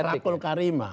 ya itu ahlakul karima